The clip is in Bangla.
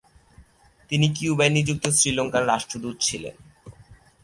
তিনি কিউবায় নিযুক্ত শ্রীলঙ্কার রাষ্ট্রদূত ছিলেন।